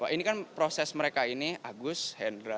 ini kan proses mereka ini agus hendra